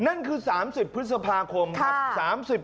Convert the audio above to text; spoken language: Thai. นั่นคือ๓๐พฤษภาคมครับ